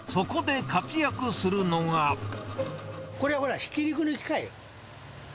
これ、ほら、ひき肉の機械。